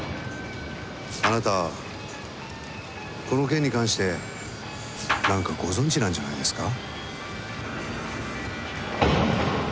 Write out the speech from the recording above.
あなたはこの件に関して何かご存じなんじゃないですか？